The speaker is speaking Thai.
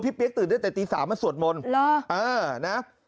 พรีเปี๊ยกตื่นได้แต่ตีสามละสวดมนต์